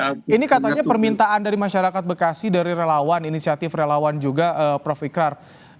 ini katanya permintaan dari masyarakat bekasi dari relawan inisiatif relawan juga prof ikrar